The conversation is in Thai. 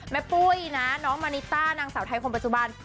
ปุ้ยนะน้องมานิต้านางสาวไทยคนปัจจุบัน